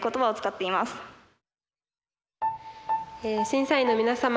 審査員の皆様